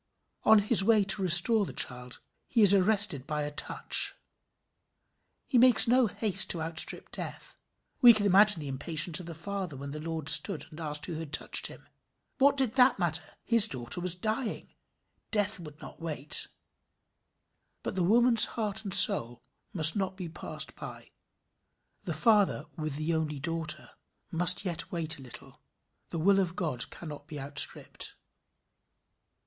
On his way to restore the child he is arrested by a touch. He makes no haste to outstrip death. We can imagine the impatience of the father when the Lord stood and asked who touched him. What did that matter? his daughter was dying; Death would not wait. But the woman's heart and soul must not be passed by. The father with the only daughter must wait yet a little. The will of God cannot be outstripped.